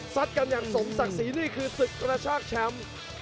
กันอย่างสมศักดิ์ศรีนี่คือศึกกระชากแชมป์